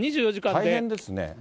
大変ですね。